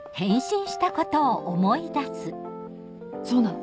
そうなの！